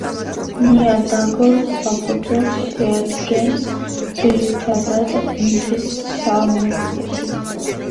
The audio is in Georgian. ნიადაგურ საფუძველს შეადგენს ძირითადად მთის შავმიწები.